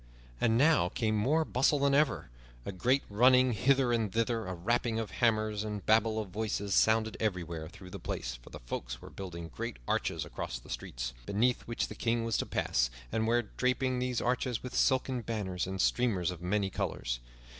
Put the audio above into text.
And now came more bustle than ever; a great running hither and thither, a rapping of hammers and a babble of voices sounded everywhere through the place, for the folk were building great arches across the streets, beneath which the King was to pass, and were draping these arches with silken banners and streamers of many colors.